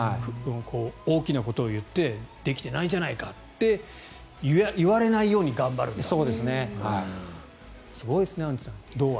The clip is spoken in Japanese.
大きなことを言ってできていないじゃないかって言われないように頑張るんだという。